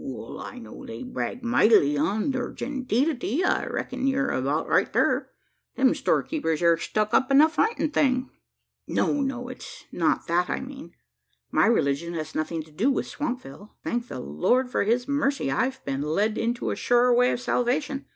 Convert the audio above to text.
"Wal I know they brag mightily on thur genteelity. I reckon you're about right thur them, storekeepers air stuck up enough for anythin'." "No, no; it's not that I mean. My religion has nothing to do with Swampville. Thank the Lord for his mercy, I've been led into a surer way of salvation.